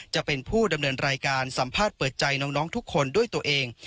จะเป็นผู้ดำเนินรายการสัมภาษณ์เปิดใจน้องทุกคนด้วยตัวเอง